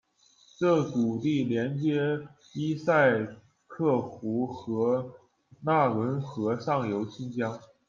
这谷地连接伊塞克湖和纳伦河上游新疆。